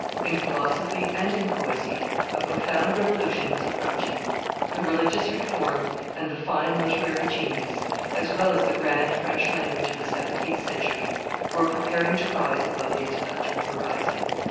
In philosophy and in poesy a profound revolution was approaching; the religious reform and the fine literary genius as well as the grand French language of the seventeenth century were preparing to rise above the intellectual horizon.